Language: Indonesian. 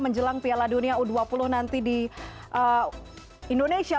menjelang piala dunia u dua puluh nanti di indonesia